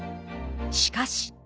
しかし。